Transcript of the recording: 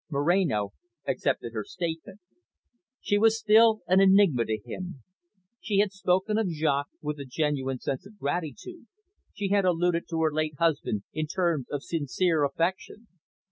Moreno accepted her statement. She was still an enigma to him. She had spoken of Jaques with a genuine sense of gratitude, she had alluded to her late husband in terms of sincere affection.